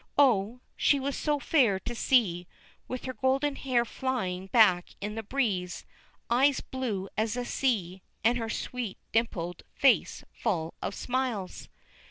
Oh, she was so fair to see, with her golden hair flying back in the breeze, eyes blue as the sky, and her sweet, dimpled face full of smiles!